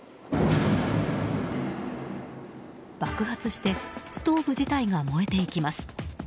爆発してストーブ自体が燃えていきます。